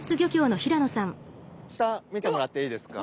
下見てもらっていいですか？